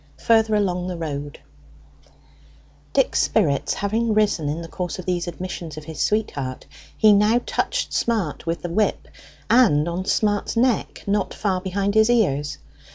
FURTHER ALONG THE ROAD Dick's spirits having risen in the course of these admissions of his sweetheart, he now touched Smart with the whip; and on Smart's neck, not far behind his ears.